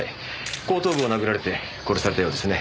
後頭部を殴られて殺されたようですね。